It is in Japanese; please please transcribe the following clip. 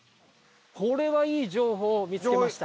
これはいい情報を見つけました。